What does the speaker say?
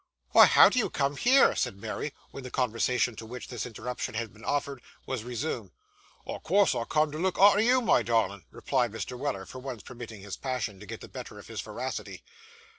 'Why, how did you come here?' said Mary, when the conversation to which this interruption had been offered, was resumed. 'O' course I came to look arter you, my darlin',' replied Mr. Weller; for once permitting his passion to get the better of his veracity.